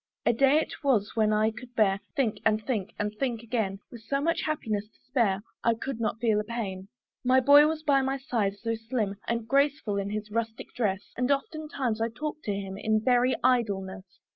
A day it was when I could bear To think, and think, and think again; With so much happiness to spare, I could not feel a pain. My boy was by my side, so slim And graceful in his rustic dress! And oftentimes I talked to him, In very idleness.